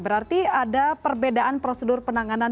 berarti ada perbedaan prosedur penanganan